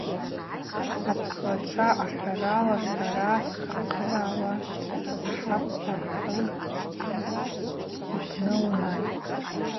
Апслачва ахӏварала, сара стахъырала, ахӏакв ахӏ йпны унай!